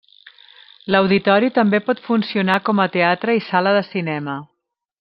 L'auditori també pot funcionar com a teatre i sala de cinema.